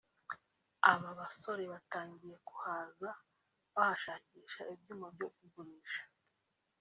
aba basore batangiye kuhaza bahashakisha ibyuma byo kugurisha